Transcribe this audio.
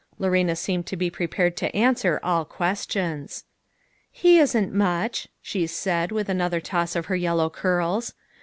Lorena seemed to be prepared to answer all questions. " He isn't much," she said, with another toss of her yellow curls.